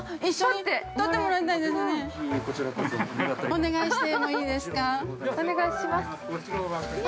◆お願いします。